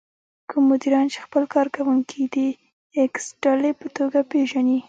کوم مديران چې خپل کار کوونکي د ايکس ډلې په توګه پېژني.